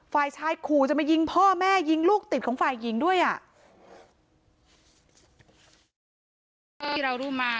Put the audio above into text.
ฝ่ายชายขู่จะมายิงพ่อแม่ยิงลูกติดของฝ่ายหญิงด้วยอ่ะ